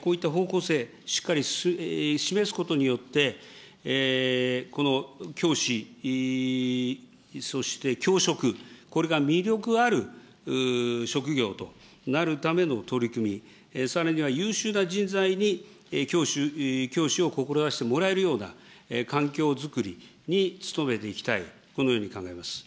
こういった方向性、しっかり示すことによって、この教師、そして教職、これが魅力ある職業となるための取り組み、さらには優秀な人材に教師を志してもらえるような環境づくりに努めていきたい、このように考えます。